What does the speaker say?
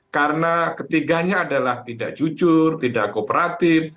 karena ketiganya adalah tidak jujur tidak kooperatif